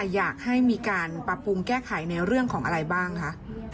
อยากให้มีการปรับปรุงแก้ไขในเรื่องของอะไรบ้างคะ